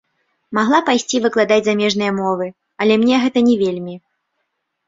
Магла пайсці выкладаць замежныя мовы, але мне гэта не вельмі.